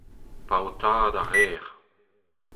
Paotaat a reer.